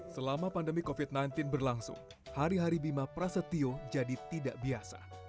selama pandemi covid sembilan belas berlangsung hari hari bima prasetyo jadi tidak biasa